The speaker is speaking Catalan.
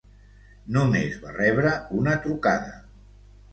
Només va rebre una trucada.